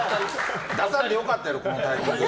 出さんでよかったやろこのタイミングで。